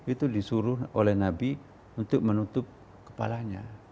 itu disuruh oleh nabi untuk menutup kepalanya